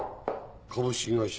株式会社